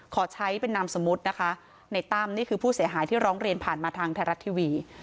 ขอใช้เป็นนามสมมุตินะคะในตั้มนี่คือผู้เสียหายที่ร้องเรียนผ่านมาทางไทยรัฐทีวี